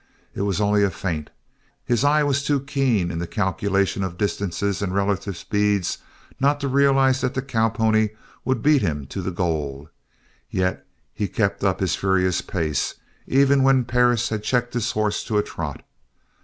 It was only a feint. His eye was too keen in the calculation of distances and relative speeds not to realize that the cowpony would beat him to the goal, yet he kept up his furious pace even when Perris had checked his horse to a trot.